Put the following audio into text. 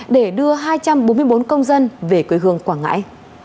để đưa hai trăm bốn mươi bốn công dân về quê hương quảng ngãi